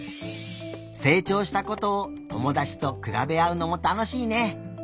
せいちょうしたことを友だちとくらべあうのもたのしいね！